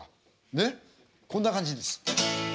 ねっこんな感じです。